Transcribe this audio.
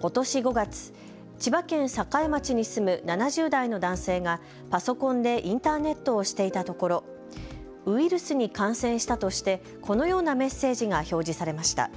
ことし５月、千葉県栄町に住む７０代の男性がパソコンでインターネットをしていたところウイルスに感染したとしてこのようなメッセージが表示されました。